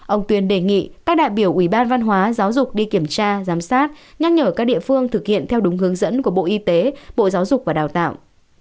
ông tuyên đề nghị các đại biểu ủy ban văn hóa giáo dục đi kiểm tra giám sát nhắc nhở các địa phương thực hiện theo đúng hướng dẫn của bộ y tế bộ giáo dục và đào tạo